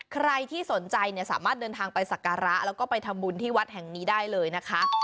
ใครที่สนใจเนี่ยสามารถเดินทางไปสักการะแล้วก็ไปทำบุญที่วัดแห่งนี้ได้เลยนะคะ